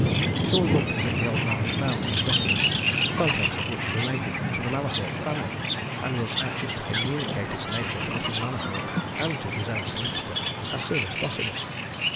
It all looked as if the old man had found some document, the contents of which related to the Mallathorpe family, and was anxious to communicate its nature to Mrs. Mallathorpe, and to his own solicitor, as soon as possible.